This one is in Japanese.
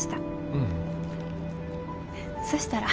ううん。そしたら。